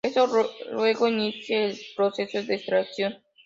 Esto luego inicia el proceso de extracción.